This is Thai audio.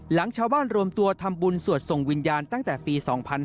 หลังชาวบ้านรวมตัวทำบุญสวดส่งวิญญาณตั้งแต่ปี๒๕๕๙